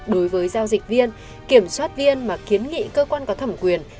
đối với giao dịch viên kiểm soát viên mà kiến nghị cơ quan có thẩm quyền